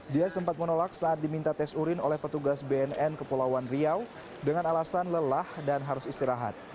dia sempat menolak saat diminta tes urin oleh petugas bnn kepulauan riau dengan alasan lelah dan harus istirahat